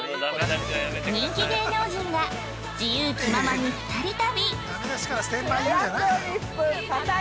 ◆人気芸能人が自由気ままに２人旅。